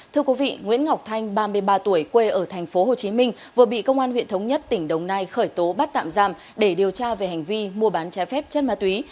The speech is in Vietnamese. thưa quý vị nguyễn ngọc thanh ba mươi ba tuổi quê ở tp hcm vừa bị công an huyện thống nhất tỉnh đồng nai khởi tố bắt tạm giam để điều tra về hành vi mua bán trái phép chất ma túy